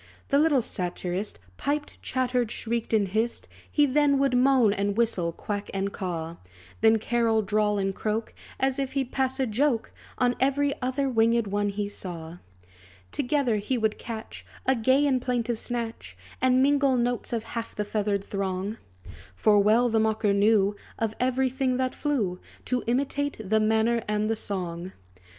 The little satirist Piped, chattered, shrieked, and hissed; He then would moan, and whistle, quack, and caw; Then, carol, drawl, and croak, As if he'd pass a joke On every other winged one he saw. Together he would catch A gay and plaintive snatch, And mingle notes of half the feathered throng. For well the mocker knew, Of every thing that flew, To imitate the manner and the song.